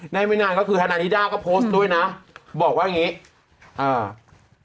ได้ไม่นานก็คือธนาฬิดาวก็โพสต์ด้วยนะบอกว่าอย่างนี้